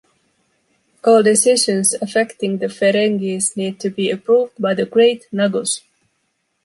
All decisions affecting the Ferengis need to be approved by the Great Nagus.